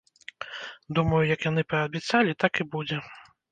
Думаю, як яны паабяцалі, так і будзе.